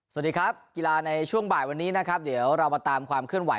สวัสดีครับกีฬาในช่วงบ่ายวันนี้นะครับเดี๋ยวเรามาตามความเคลื่อนไห